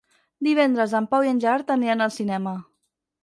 Divendres en Pau i en Gerard aniran al cinema.